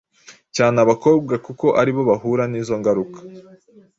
cyane abakobwa kuko aribo bahura n’ izo ngaruka.